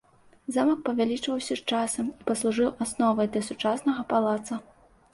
Замак павялічваўся з часам і паслужыў асновай для сучаснага палаца.